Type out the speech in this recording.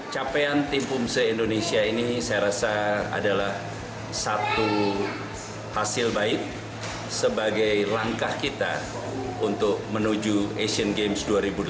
capaian tim pumse indonesia ini saya rasa adalah satu hasil baik sebagai langkah kita untuk menuju asian games dua ribu delapan belas